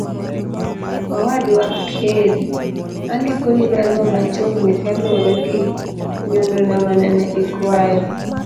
owadwa Kheri, andiko ni barua machuok ni kaluwore gi nyundona manene ikwayo